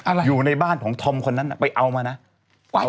อะไรอยู่ในบ้านของธอมคนนั้นน่ะไปเอามานะ